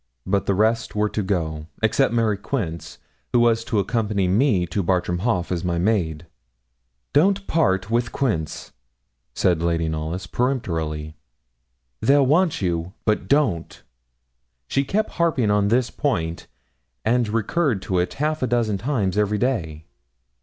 But the rest were to go, except Mary Quince, who was to accompany me to Bartram Haugh as my maid. 'Don't part with Quince,' said Lady Knollys, peremptorily 'they'll want you, but don't.' She kept harping on this point, and recurred to it half a dozen times every day.